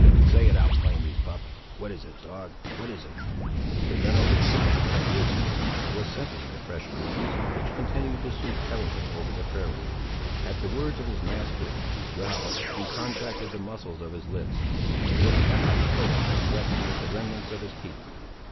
Say it out, plainly, pup; what is it dog—what is it?" The venerable hound had risen, and was scenting the fresh breeze which continued to sweep heavily over the prairie. At the words of his master he growled and contracted the muscles of his lips, as if half disposed to threaten with the remnants of his teeth.